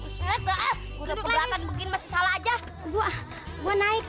salah aja gua gua naik